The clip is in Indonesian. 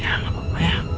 ya gak apa apa ya